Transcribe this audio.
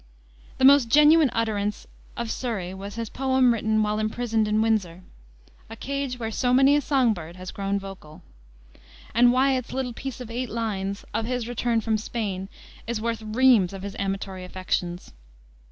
The most genuine utterance of Surrey was his poem written while imprisoned in Windsor a cage where so many a song bird has grown vocal. And Wiat's little piece of eight lines, "Of his Return from Spain," is worth reams of his amatory affectations.